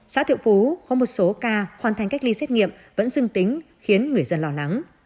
xã thiệu phú có một số ca hoàn thành cách ly xét nghiệm vẫn dưng tính khiến người dân lo lắng